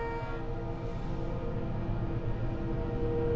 gak ada kerjaan langsung kok